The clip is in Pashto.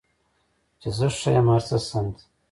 چې زه ښه یم، هر څه سم دي